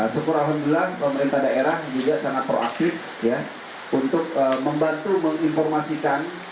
seberapa pemerintah daerah juga sangat proaktif untuk membantu menginformasikan